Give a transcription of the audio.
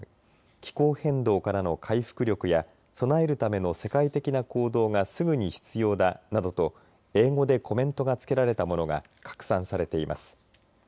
気候変動からの回復力や備えるための世界的な行動がすぐに必要だ、などと英語でコメントが付けられたものが拡散されています。